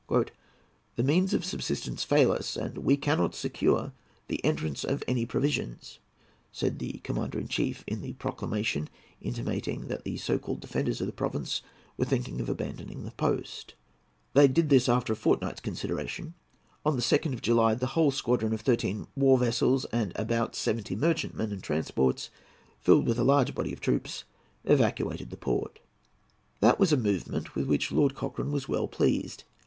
"The means of subsistence fail us, and we cannot secure the entrance of any provisions," said the Commander in Chief, in the proclamation intimating that the so called defenders of the province were thinking of abandoning their post. This they did after a fortnight's consideration. On the 2nd of July the whole squadron of thirteen war vessels and about seventy merchantmen and transports, filled with a large body of troops, evacuated the port. That was a movement with which Lord Cochrane was well pleased.